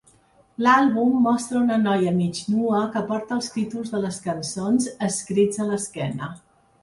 L'àlbum mostra una noia mig nua que porta els títols de les cançons escrits a l'esquena.